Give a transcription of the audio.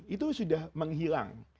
itu sudah menghilang